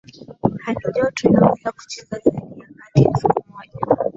halijoto inaweza kucheza zaidi ya katika siku moja